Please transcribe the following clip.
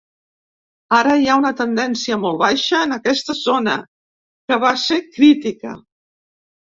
Ara hi ha una tendència molt baixa en aquesta zona, que va ser crítica.